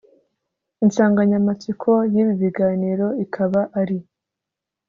Insanganyamatsiko y’ibi biganiro ikaba ari